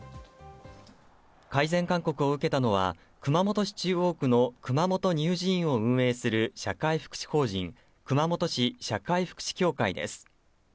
改善勧告を受けたのは熊本市中央区の熊本乳児院を運営する社会福祉法人熊本市社会福祉協会です。